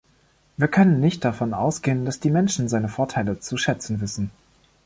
Wir können nicht davon ausgehen, dass die Menschen seine Vorteile zu schätzen wissen.